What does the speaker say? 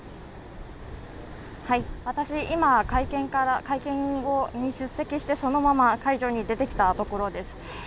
私、今、会見に出席してそのまま会場を出てきたところです。